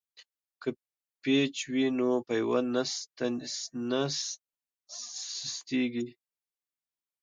که پیچ وي نو پیوند نه سستیږي.